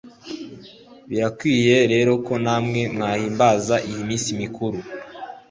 birakwiye rero ko namwe mwahimbaza iyo minsi mikuru